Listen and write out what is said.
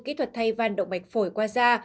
kỹ thuật thay văn động mạch phổi qua da